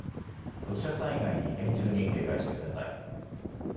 土砂災害に厳重に警戒してください。